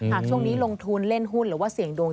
หากช่วงนี้ลงทุนเล่นหุ้นหรือเสียงโด่ง